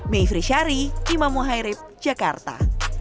mayfri syari imam muhairib jakarta